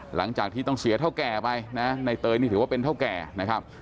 หลังจากที่ต้องเสียเท่าแก่ไปนะในเตยนี่ถือว่าเป็นเท่าแก่นะครับ